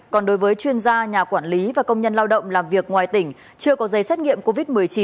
còn đối với chuyên gia nhà quản lý và công nhân lao động làm việc ngoài tỉnh chưa có giấy xét nghiệm covid một mươi chín